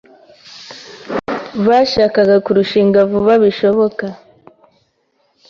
Bashakaga kurushinga vuba bishoboka.